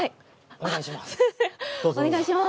お願いします。